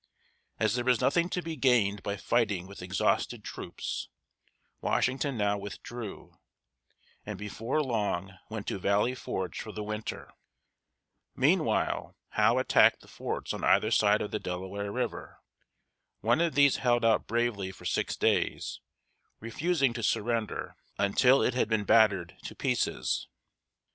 As there was nothing to be gained by fighting with exhausted troops, Washington now withdrew, and before long went to Valley Forge for the winter. Meanwhile, Howe attacked the forts on either side of the Delaware River. One of these held out bravely for six days, refusing to surrender until it had been battered to pieces.